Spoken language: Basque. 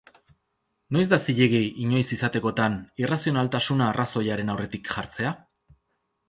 Noiz da zilegi, inoiz izatekotan, irrazionaltasuna arrazoiaren aurretik jartzea?